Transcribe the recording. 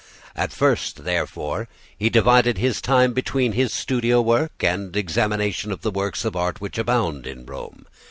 At first, therefore, he divided his time between his studio work and examination of the works of art which abound in Rome.